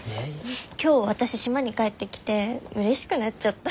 今日私島に帰ってきてうれしくなっちゃった。